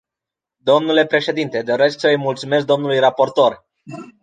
Dle președinte, doresc să îi mulțumesc dlui raportor.